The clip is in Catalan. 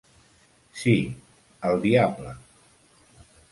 Si...el diable!